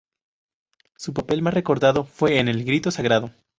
Su papel más recordado fue en "El grito sagrado".